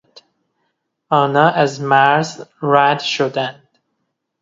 آنان از مرز رد شدند.